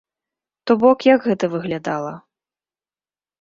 То бок як гэта выглядала?